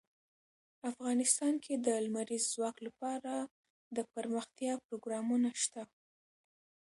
افغانستان کې د لمریز ځواک لپاره دپرمختیا پروګرامونه شته.